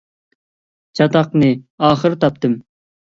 چاتاقنى ئاخىرى تاپتىم.